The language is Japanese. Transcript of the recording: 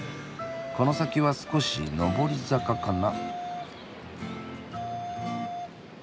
この先は少し上り坂かな。